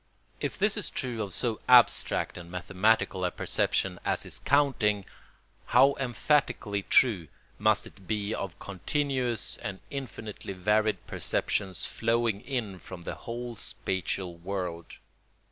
If this is true of so abstract and mathematical a perception as is counting, how emphatically true must it be of continuous and infinitely varied perceptions flowing in from the whole spatial world.